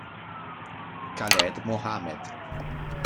Khaled Mohamed